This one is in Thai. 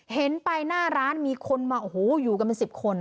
เห็นไปหน้าร้านมีคนมาโอ้โหอยู่กันเป็น๑๐คน